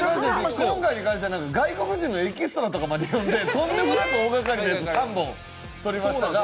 今回に関しては外国人のエキストラまで呼んでとんでもなく大がかりで３本撮りましたが。